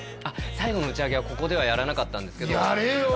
最後の打ち上げはここではやらなかったんですけどやれよ！